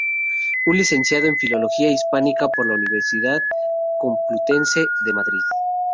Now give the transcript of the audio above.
Es licenciado en filología hispánica por la Universidad Complutense de Madrid.